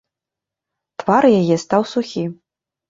Твар яе стаў сухі.